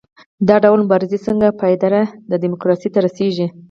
دا ډول مبارزې څنګه پایداره ډیموکراسۍ ته رسیږي؟